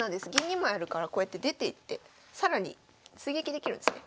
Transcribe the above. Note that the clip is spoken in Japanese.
銀２枚あるからこうやって出ていって更に追撃できるんですね。